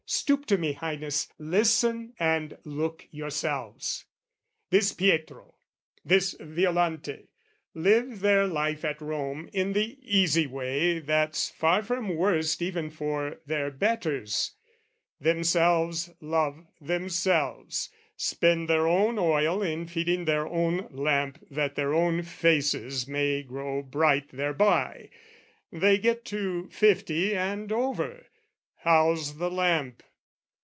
Stoop to me, Highness, listen and look yourselves! This Pietro, this Violante, live their life At Rome in the easy way that's far from worst Even for their betters, themselves love themselves, Spend their own oil in feeding their own lamp That their own faces may grow bright thereby. They get to fifty and over: how's the lamp?